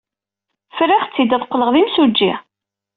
Friɣ-tt-id ad qqleɣ d imsujji.